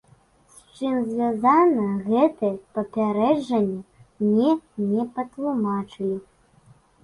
З чым звязана гэтае папярэджанне, мне не патлумачылі.